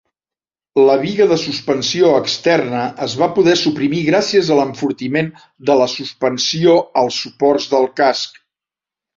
La biga de suspensió externa es va poder suprimir gràcies a l'enfortiment de la suspensió als suports del casc.